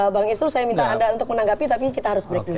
bang isrul saya minta anda untuk menanggapi tapi kita harus break dulu